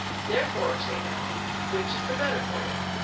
Therefore, say now, which is the better for you?"